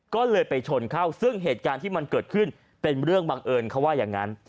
ก็เลยไปชนเข้าซึ่งเหตุการณ์ที่มันเกิดขึ้นเป็นเรื่องบังเอิญเขาว่าอย่างนั้น